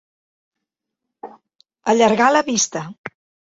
Allargar la vista.